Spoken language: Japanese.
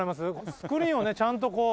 スクリーンをねちゃんとこう。